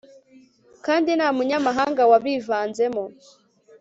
kandi nta munyamahanga wabivanzemo